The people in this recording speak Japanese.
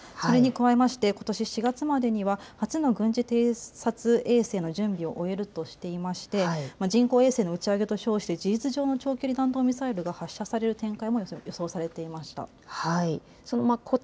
それに加えましてことし４月までには初の軍事偵察衛星の準備を終えるとしていまして人工衛星の打ち上げと称して事実上の長距離弾道ミサイルが発射される展開も予想されていました。